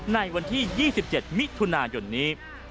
ในวันที่๒๗มิถุนายนนี้